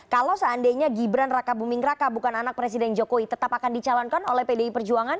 kalau seandainya gibran raka buming raka bukan anak presiden jokowi tetap akan dicalonkan oleh pdi perjuangan